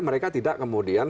mereka bisa memilih